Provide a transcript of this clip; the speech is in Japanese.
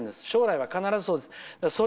将来は必ずそうです。